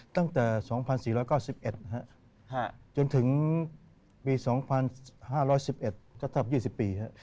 ตั้งแต่๒๔๙๑จนถึงปี๒๕๑๑ก็ถึง๒๐ปี